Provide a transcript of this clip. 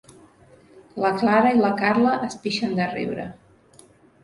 La Clara i la Carla es pixen de riure.